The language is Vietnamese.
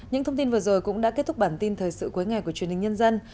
những thông tin vừa rồi cũng đã kết thúc bản tin thời sự cuối ngày của truyền hình